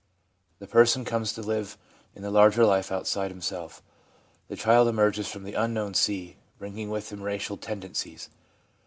The person comes to live in the larger life outside himself. The child emerges from the unknown sea, bringing with him racial tendencies.